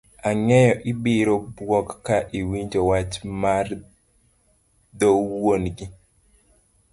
Ang'eyo ibiro buok ka iwonjo wach mar dho wuon gi